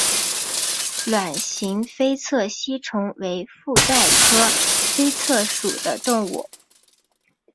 卵形菲策吸虫为腹袋科菲策属的动物。